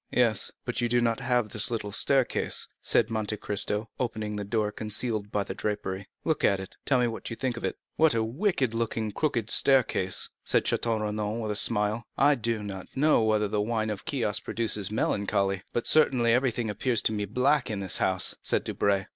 "Yes, but you have not this little staircase," said Monte Cristo, opening a door concealed by the drapery. "Look at it, and tell me what you think of it." "What a wicked looking, crooked staircase," said Château Renaud with a smile. "I do not know whether the wine of Chios produces melancholy, but certainly everything appears to me black in this house," said Debray.